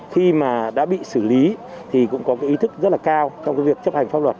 khi mà đã bị xử lý thì cũng có cái ý thức rất là cao trong cái việc chấp hành pháp luật